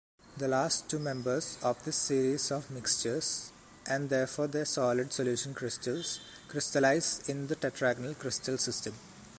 The last two members of this series of mixtures, and therefore their solid solution crystals, crystallize in the tetragonal crystal system.